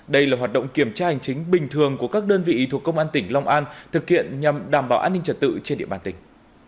đây là hoạt động kiểm tra hành chính bình thường của các đơn vị thuộc công an tỉnh long an thực hiện nhằm đảm bảo an ninh trật tự trên địa bàn tỉnh